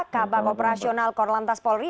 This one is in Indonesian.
kabang operasional korlantas polri